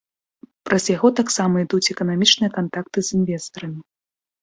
Праз яго таксама ідуць эканамічныя кантакты з інвестарамі.